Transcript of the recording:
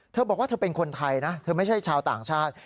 เธอบอกว่าเธอเป็นคนไทยนะเธอไม่ใช่ชาวต่างชาติ